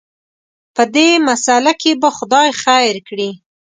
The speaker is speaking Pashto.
په دې مساله کې به خدای خیر کړي.